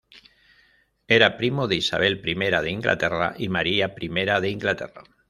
Era primo de Isabel I de Inglaterra y Maria I de Inglaterra.